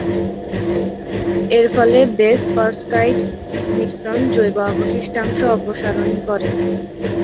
এর ফলে বেস-পারক্সাইড মিশ্রণ জৈব অবশিষ্টাংশ অপসারণ করে।